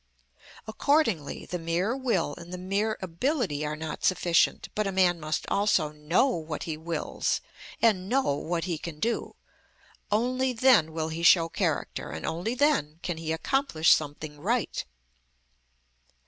Accordingly, the mere will and the mere ability are not sufficient, but a man must also know what he wills, and know what he can do; only then will he show character, and only then can he accomplish something right.